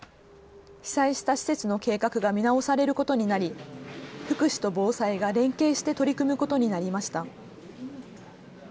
被災した施設の計画が見直されることになり、福祉と防災が連携して取り組むことになりました。